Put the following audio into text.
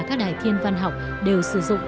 các đài thiên văn học đều sử dụng